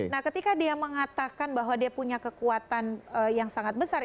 nah ketika dia mengatakan bahwa dia punya kekuatan yang sangat besar